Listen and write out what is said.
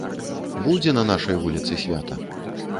Будзе на нашай вуліцы свята.